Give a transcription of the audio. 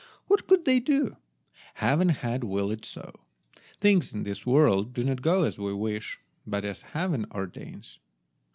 What could they do? Heaven had willed it so. Things in this world do not go as we wish, but as Heaven ordains.